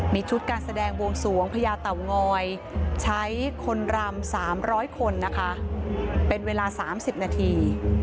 มีชุดการแสดงบวงสวงพญาเต่างอยใช้คนรำ๓๐๐คนนะคะเป็นเวลา๓๐นาที